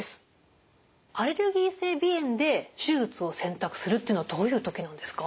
アレルギー性鼻炎で手術を選択するっていうのはどういう時なんですか？